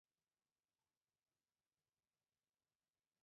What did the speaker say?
突尼西亚奥林匹克委员会是突尼西亚的国家奥林匹克委员会。